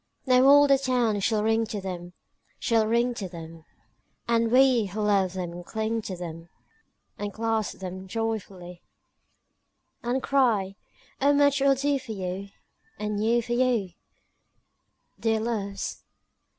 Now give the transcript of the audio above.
II Now all the town shall ring to them, Shall ring to them, And we who love them cling to them And clasp them joyfully; And cry, "O much we'll do for you Anew for you, Dear Loves!